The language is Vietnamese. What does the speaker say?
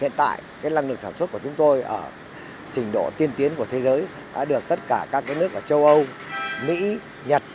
hiện tại năng lực sản xuất của chúng tôi ở trình độ tiên tiến của thế giới đã được tất cả các nước ở châu âu mỹ nhật